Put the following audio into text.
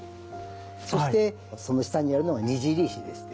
そしてその下にあるのが躙石でしてね。